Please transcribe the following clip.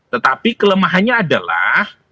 tetapi kelemahannya adalah